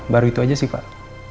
baru itu aja sih pak